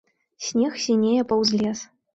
Снег сінее паўз лес.